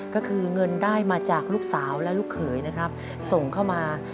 ก็คือเงินได้มาจากลูกสาวและลูกเขยนะครับส่งเข้ามา